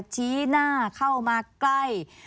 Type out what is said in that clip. ชี้หน้าเข้ามาใกล้